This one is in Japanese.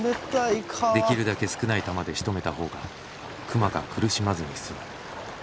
できるだけ少ない弾でしとめた方が熊が苦しまずに済む。